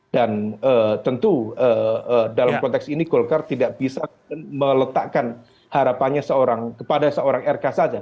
dan tentu dalam konteks ini golkar tidak bisa meletakkan harapannya kepada seorang rk saja